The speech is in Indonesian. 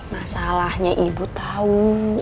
masalahnya ibu tahu